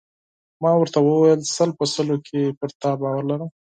ما ورته وویل: سل په سلو کې پر تا باور لرم.